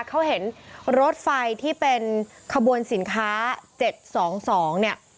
เขาเห็นรถไฟที่เป็นขบวนสินค้า๗๒๒เนี่ย